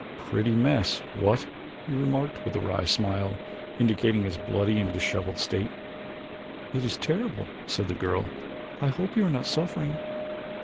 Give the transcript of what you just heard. "Pretty mess, what?" he remarked with a wry smile, indicating his bloody and disheveled state. "It is terrible," said the girl. "I hope you are not suffering."